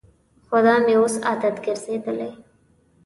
خو دا مې اوس عادت ګرځېدلی.